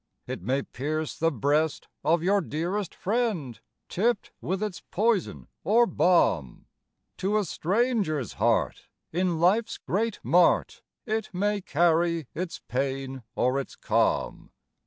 It may pierce the breast of your dearest friend, Tipped with its poison or balm; To a stranger's heart in life's great mart, It may carry its pain or its calm.